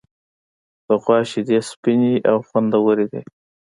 د غوا شیدې سپینې او خوندورې دي.